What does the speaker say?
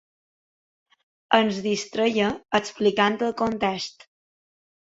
Ens distreia explicant el context.